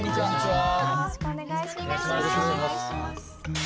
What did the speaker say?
よろしくお願いします。